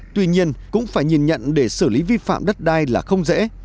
tuy nhiên cũng phải nhìn nhận để xử lý vi phạm đất đai là không dễ